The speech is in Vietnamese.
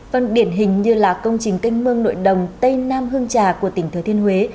vâng điển hình như là công trình canh mương nội đồng tây nam hương trà của tỉnh thừa thiên huế